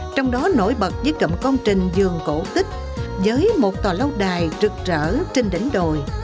trong đó nổi bật với cậm con trình vườn cổ tích với một tòa lâu đài rực rỡ trên đỉnh đồi